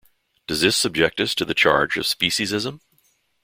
Does this subject us to the charge of speciesism?